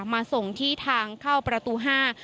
มาส่งที่ทางเข้าประตูห้า